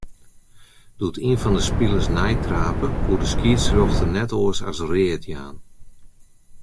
Doe't ien fan 'e spilers neitrape, koe de skiedsrjochter net oars as read jaan.